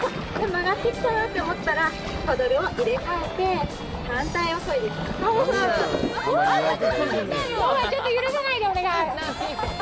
曲がってきたなって思ったらパドルを入れかえて反対をこいでいきます。